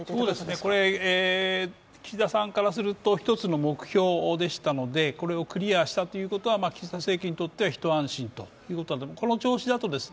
岸田さんからすると一つの目標でしたのでこれをクリアしたということは岸田政権にとってはひと安心ということだと思います。